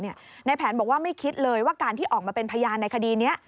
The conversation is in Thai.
ในแผนบอกว่าไม่คิดเลยว่าการที่ออกมาเป็นพยานในคดีนี้